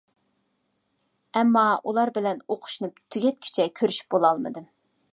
ئەمما ئۇلار بىلەن ئوقۇشنى تۈگەتكۈچە كۆرۈشۈپ بولالمىدىم.